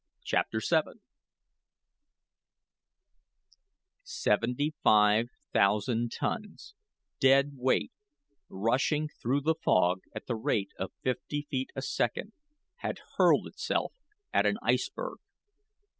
CHAPTER VII Seventy five thousand tons dead weight rushing through the fog at the rate of fifty feet a second, had hurled itself at an iceberg.